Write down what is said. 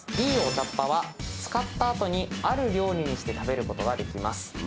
いいお茶っ葉は使った後にある料理にして食べることができます。